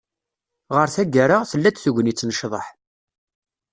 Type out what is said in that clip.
Ɣer taggara, tella-d tegnit n ccḍeḥ.